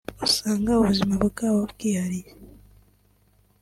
usanga ubuzima bwaho bwihariye